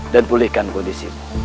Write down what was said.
dan pulihkan kondisi